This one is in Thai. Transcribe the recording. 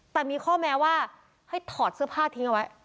แต่มีข้อแม้ว่าให้ถอดเสื้อผ้าทิ้งเอาไว้